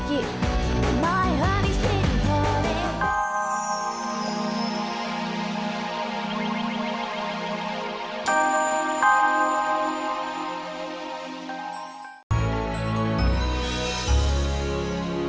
tante kamu mau ke rumah